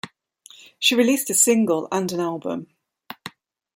She released a single and an album.